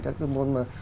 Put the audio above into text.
các cái môn